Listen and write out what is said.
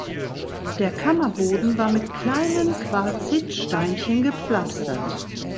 Der Kammerboden war mit kleinen Quarzitsteinchen gepflastert.